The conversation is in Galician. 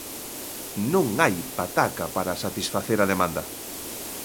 Non hai pataca para satisfacer a demanda.